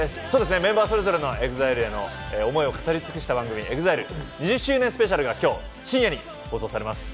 メンバーそれぞれのＥＸＩＬＥへの思いを語り尽くした番組『ＥＸＩＬＥ２０周年スペシャル』が今日、深夜に放送されます。